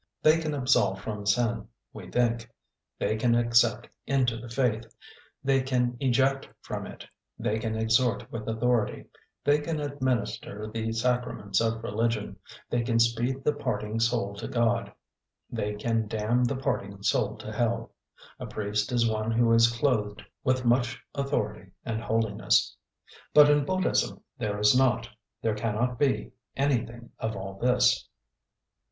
They can absolve from sin, we think; they can accept into the faith; they can eject from it; they can exhort with authority; they can administer the sacraments of religion; they can speed the parting soul to God; they can damn the parting soul to hell. A priest is one who is clothed with much authority and holiness. But in Buddhism there is not, there cannot be, anything of all this.